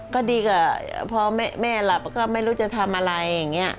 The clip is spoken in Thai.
ก็ดีกว่าพอแม่หลับก็ไม่รู้จะทำอะไรอย่างนี้